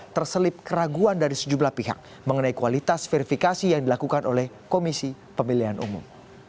terselip keraguan dari sejumlah pihak mengenai kualitas verifikasi yang dilakukan oleh komisi pemilihan umum